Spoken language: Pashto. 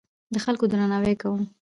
د خلکو درناوی کوم.